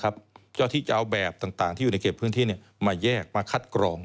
เจ้าที่จะเอาแบบต่างที่อยู่ในเขตพื้นที่มาแยกมาคัดกรอง